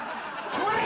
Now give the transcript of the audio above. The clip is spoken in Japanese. これ！